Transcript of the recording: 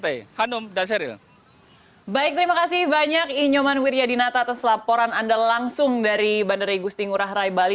menuju ke pantai